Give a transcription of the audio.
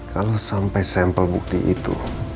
kalau sampai sampel bukti itu